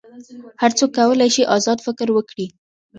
هر څوک کولی شي آزاد فکر وکړي.